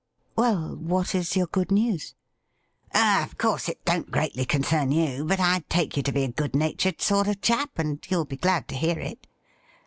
' Well, what is your good news ?'' Of course, it don't greatly concern you, but I take you to he a good natured sort of chap, and you will be glad to hear it.'